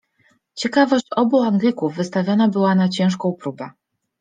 Ciekawość obu Anglików wystawiona była na ciężką próbę.